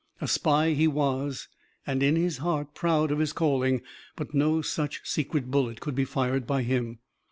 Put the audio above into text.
A spy he was and in his heart proud of his calling, but no such secret bullet could be fired by him.